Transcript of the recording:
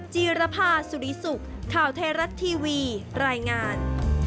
จีรภาสุริสุขข่าวไทยรัฐทีวีรายงาน